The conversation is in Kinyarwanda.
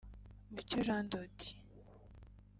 Mucyo Jean de Dieu